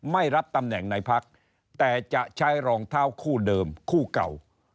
ไม่รับตำแหน่งในพักแต่จะใช้รองเท้าคู่เดิมคู่เก่า